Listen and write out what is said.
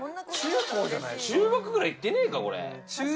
中学ぐらい行ってねえか？